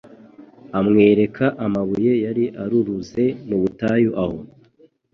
Amwereka amabuye yari aruruze mu butayu aho,